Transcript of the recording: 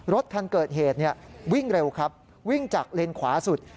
รถคันเกิดเหตุวิ่งเร็วครับวิ่งจากเลนขวาสุด